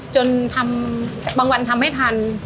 จนทำบางวันทำไม่ทัน